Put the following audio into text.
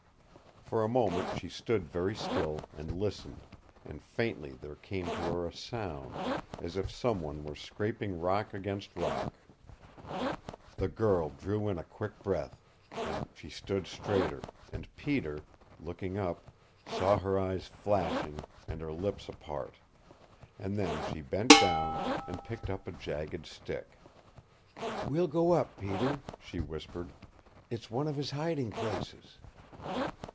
For a moment she stood very still, and listened, and faintly there came to her a sound, as if someone was scraping rock against rock. The girl drew in a quick breath; she stood straighter, and Peter looking up saw her eyes flashing, and her lips apart. And then she bent down, and picked up a jagged stick. "We'll go up, Peter," she whispered. "It's one of his hiding places!"